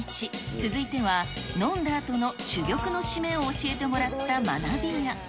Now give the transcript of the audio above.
続いては、飲んだあとの珠玉の締めを教えてもらった学びや。